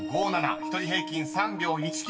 ［１人平均３秒１９。